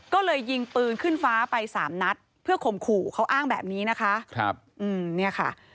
ก็เลยยิงปืนขึ้นฟ้าไป๓นัดเพื่อข่มขู่เขาอ้างแบบนี้นะคะ